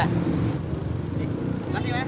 nih kasih mah